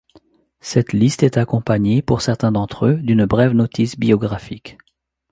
Cette liste est accompagnée, pour certains d’entre eux, d'une brève notice biographique.